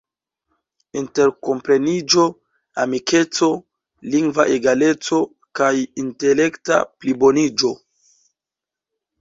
interkompreniĝo, amikeco, lingva egaleco, kaj intelekta pliboniĝo.